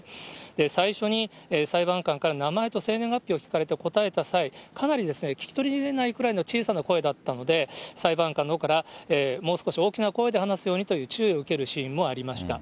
最初に裁判官から名前と生年月日を聞かれて答えた際、かなり聞き取れないぐらいの小さな声だったので、裁判官のほうから、もう少し大きな声で話すようにという注意を受けるシーンもありました。